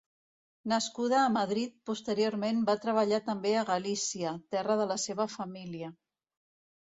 Nascuda a Madrid, posteriorment va treballar també a Galícia, terra de la seva família.